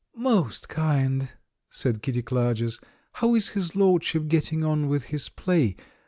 "Most kind!" said Kitty Clarges. "How is his lordship getting on with his play?